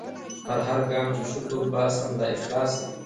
پر هرګام چي شکر باسم له اخلاصه